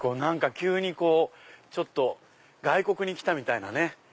急にちょっと外国に来たみたいなね。